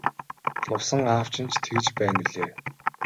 Лувсан аав чинь ч тэгж байна билээ.